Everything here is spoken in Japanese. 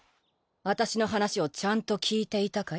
私の話をちゃんと聞いていたかい？